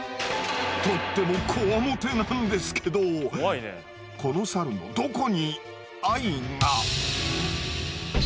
とってもこわもてなんですけどこのサルのどこに愛が。